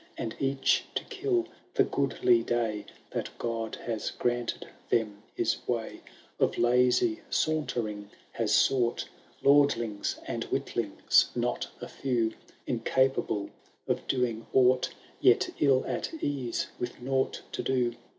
And each, to kill the goodly day That God has granted them, his way Of lazy sauntering has sought ; Lordlings and witlings not a few. Incapable of doing aught. Yet ill at ease with nought to do.